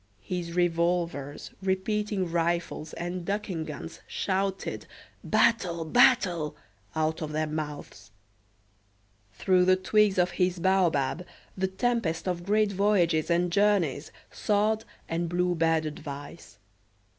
His revolvers, repeating rifles, and ducking guns shouted "Battle! battle!" out of their mouths. Through the twigs of his baobab, the tempest of great voyages and journeys soughed and blew bad advice.